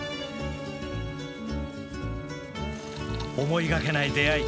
思いがけない出会い。